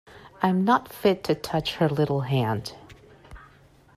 I'm not fit to touch her little hand.